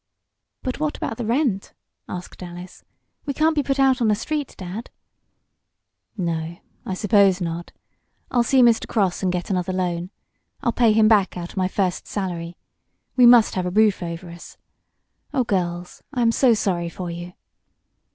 "But what about the rent?" asked Alice. "We can't be put out on the street, Dad." "No, I suppose not. I'll see Mr. Cross, and get another loan. I'll pay him back out of my first salary. We must have a roof over us. Oh, girls, I am so sorry for you!"